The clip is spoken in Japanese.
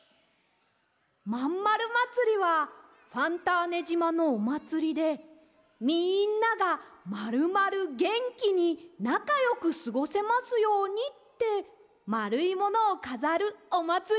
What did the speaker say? まんまるまつりはファンターネじまのおまつりでみんながまるまるげんきになかよくすごせますようにってまるいものをかざるおまつりなんです。